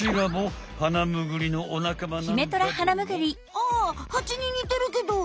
ああハチに似てるけど。